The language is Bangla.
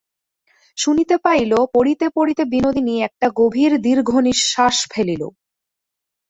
শুনিতে পাইল, পড়িতে পড়িতে বিনোদিনী একটা গভীর দীর্ঘনিশ্বাস ফেলিল।